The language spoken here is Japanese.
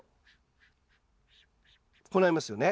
こうなりますよね。